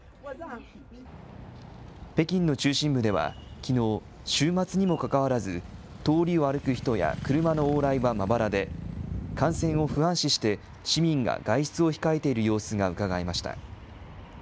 北京の中心部ではきのう、週末にもかかわらず、通りを歩く人や車の往来はまばらで、感染を不安視して、市民が外出を控えている様子がうかがえました。